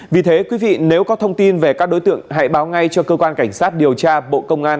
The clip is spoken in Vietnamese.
vì thế quý vị nếu có thông tin về các đối tượng hãy báo ngay cho cơ quan cảnh sát điều tra bộ công an